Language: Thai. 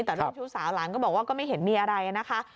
แต่ชู้สาวหลานก็บอกว่าไม่เห็นมีอะไรนะคะ